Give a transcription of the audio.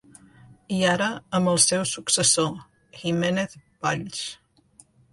I ara, amb el seu successor, Giménez Valls.